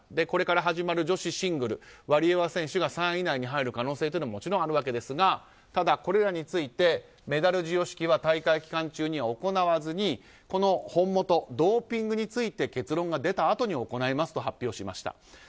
これから始まる女子シングルワリエワ選手が３位以内に入る可能性はもちろんあるわけですがただ、これらについてメダル授与式は大会期間中には行わずにこの本元、ドーピングについて結論が出たあとに行いますと発表しました。